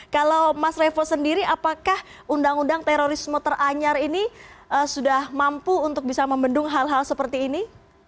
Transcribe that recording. kalau mas revo sendiri apakah undang undang terorisme teranyar ini sudah mampu untuk bisa membendung hal hal seperti ini